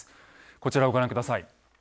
こちらをご覧ください。